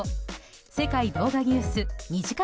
「世界動画ニュース」２時間